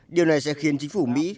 điều này sẽ khiến chính phủ mỹ